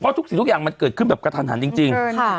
ทุกสิ่งทุกอย่างมันเกิดขึ้นแบบกระทันหันจริง